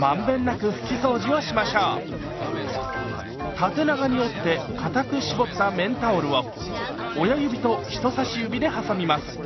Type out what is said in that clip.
縦長に折ってかたく絞った綿タオルを親指と人さし指ではさみます。